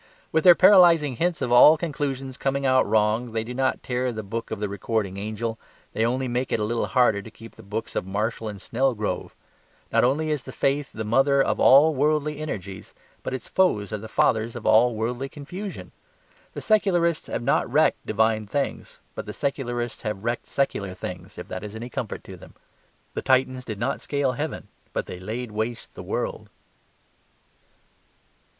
With their paralysing hints of all conclusions coming out wrong they do not tear the book of the Recording Angel; they only make it a little harder to keep the books of Marshall & Snelgrove. Not only is the faith the mother of all worldly energies, but its foes are the fathers of all worldly confusion. The secularists have not wrecked divine things; but the secularists have wrecked secular things, if that is any comfort to them. The Titans did not scale heaven; but they laid waste the world.